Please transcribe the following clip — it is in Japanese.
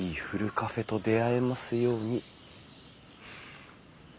カフェと出会えますように。